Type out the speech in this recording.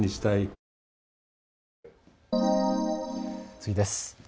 次です。